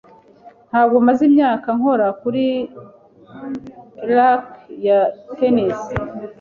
Ntabwo maze imyaka nkora kuri racket ya tennis.